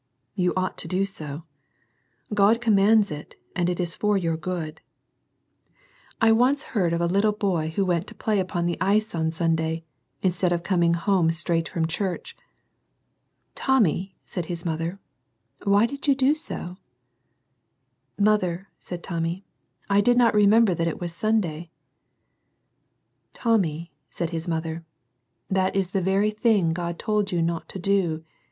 You ought to do so. God commands it, and it is for your good. I once heard of a little boy who went to play upon the ice on Sunday, instead of coming home straight from church. "Tommy," said his mother, "why did you do so ?"—" Mother," said Tommy, " I did not remember that it was Sunday." — "Tommy," said his mother, "that is the very thing God told you not to do.